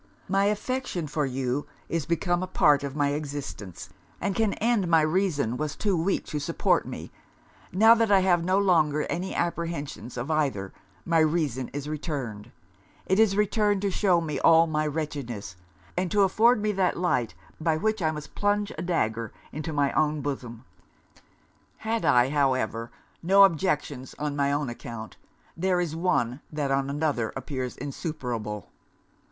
My affection for you is become a part of my existence, and can end but in the grave. Under the dread of your infidelity or your danger, my reason was too weak to support me: now that I have no longer any apprehensions of either, my reason is returned it is returned to shew me all my wretchedness, and to afford me that light by which I must plunge a dagger into my own bosom. 'Had I, however, no objections on my own account, there is one that on another appears insuperable.